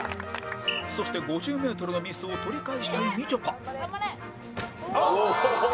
そして５０メートルのミスを取り返したいみちょぱおおー！